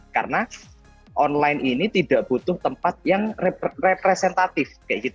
karena online ini tidak butuh tempat yang representatif